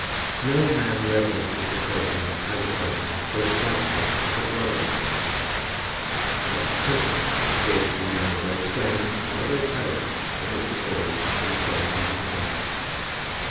No man reverences a clergyman, as a clergyman, so slightly as a brother clergyman. To Dr. Tempest it appeared to be neither very strange nor very terrible that Mr. Crawley should have stolen twenty pounds.